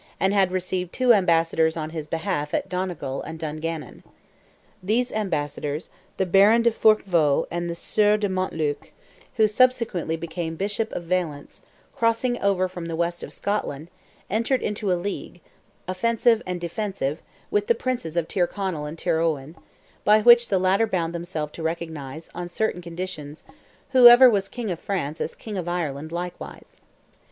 and had received two ambassadors on his behalf at Donegal and Dungannon. These ambassadors, the Baron de Forquevaux, and the Sieur de Montluc, who subsequently became Bishop of Valence, crossing over from the west of Scotland, entered into a league, offensive and defensive, with "the princes" of Tyrconnell and Tyrowen, by which the latter bound themselves to recognize, on certain conditions, "whoever was King of France as King of Ireland likewise."